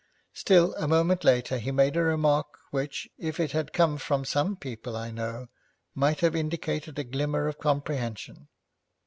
Still a moment later he made a remark which, if it had come from some people I know, might have indicated a glimmer of comprehension.